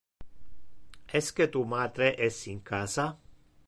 Esque tu matre es in casa?